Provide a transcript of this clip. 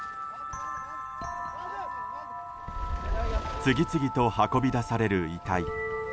次々と運び出される遺体。